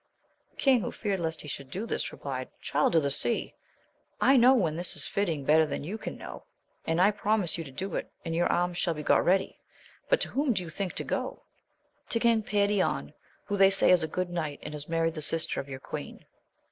The king, who feared lest he should do this, replied. Child of the Sea, I know when this is fitting better than you can know, and I promise you to do it, and your arms shall be got ready ; but, to whom did you think to go 1 — To King Perion, who they say is a good knight, and has married the sister of your queen.